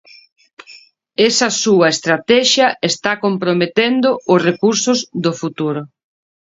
Esa súa estratexia está comprometendo os recursos do futuro.